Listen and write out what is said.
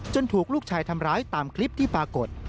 ถูกลูกชายทำร้ายตามคลิปที่ปรากฏ